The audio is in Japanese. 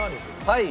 はい。